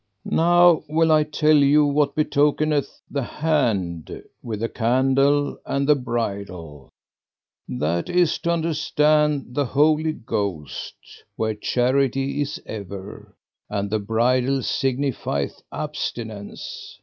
Now will I tell you what betokeneth the hand with the candle and the bridle: that is to understand the Holy Ghost where charity is ever, and the bridle signifieth abstinence.